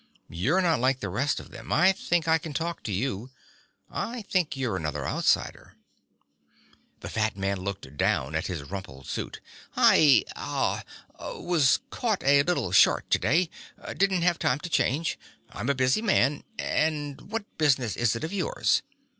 "You're not like the rest of them. I think I can talk to you. I think you're another outsider." The fat man looked down at his rumpled suit. "I ... ah ... was caught a little short today. Didn't have time to change. I'm a busy man. And what business is it of yours?"